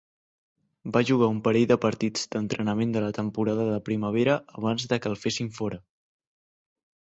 Va jugar un parell de partits d'entrenament de la temporada de primavera abans de que el fessin fora.